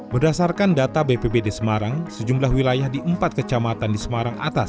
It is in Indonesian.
berdasarkan data bpbd semarang sejumlah wilayah di empat kecamatan di semarang atas